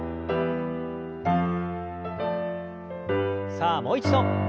さあもう一度。